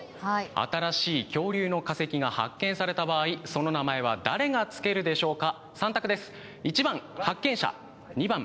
新しい恐竜の化石が発見された場合、その名前は誰がつけるでしょうか。